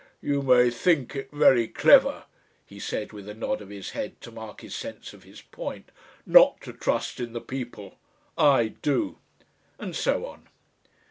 "You may think it very clever," he said with a nod of his head to mark his sense of his point, "not to Trust in the People. I do." And so on.